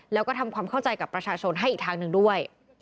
แล้วก็ทำความเข้าใจกับประชาชนให้อีกทางหนึ่งด้วย